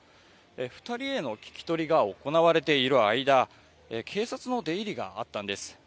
２人への聞き取りが行われている間警察の出入りがあったんです。